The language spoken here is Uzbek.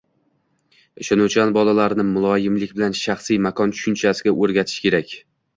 ishonuvchan bolalarni muloyimlik bilan shaxsiy makon tushunchasiga o‘rgatish kerak